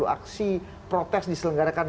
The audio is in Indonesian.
tujuh puluh aksi protes diselenggarakan